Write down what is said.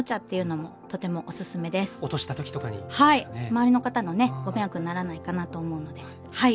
周りの方のねご迷惑にならないかなと思うのではい。